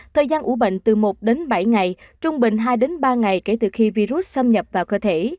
thời gian ủ bệnh từ một đến bảy ngày trung bình hai ba ngày kể từ khi virus xâm nhập vào cơ thể